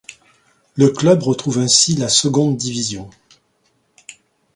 Le club retrouve ainsi la seconde division.